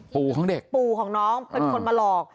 ปู่ของเด็กปู่ของน้องเป็นคนมาหลอก